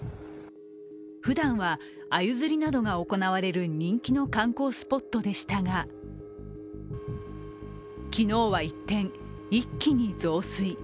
ふだんはあゆ釣りなどが行われる人気の観光スポットでしたが、昨日は一転、一気に増水。